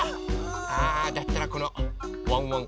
あだったらこのワンワン